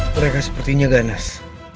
mereka sepertinya ganas